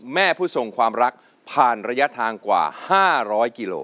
ผู้ทรงความรักผ่านระยะทางกว่า๕๐๐กิโล